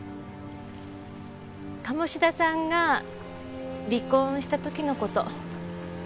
鴨志田さんが離婚した時の事。